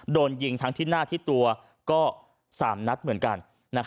โดนยิงทั้งที่หน้าที่ตัวก็๓นัดเหมือนกัน